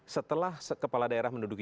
setelah kepala daerah menduduki